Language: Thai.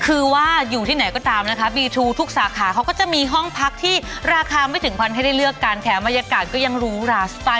คือว่าอยู่ที่ไหนก็ตามนะครับทุกสาขาเขาก็จะมีห้องพักที่ราคาไม่ถึงพันธุ์ให้ได้เลือกการแท้มัยการก็ยังรู้ล่ะ